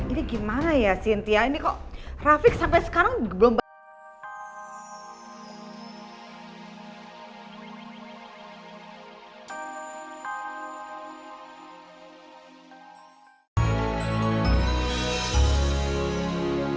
ini gimana ya cynthia ini kok rafiq sampai sekarang belum